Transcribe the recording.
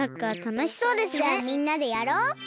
じゃあみんなでやろう！